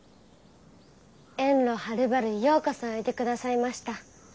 遠路はるばるようこそおいでくださいました。